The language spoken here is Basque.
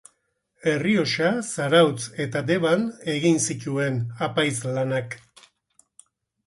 Errioxa, Zarautz eta Deban egin zituen apaiz lanak.